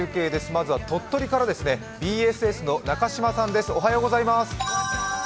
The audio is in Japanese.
まずは鳥取からです、ＢＳＳの中島さんです。